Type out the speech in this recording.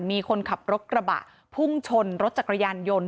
มีคนขับรถกระบะพุ่งชนรถจักรยานยนต์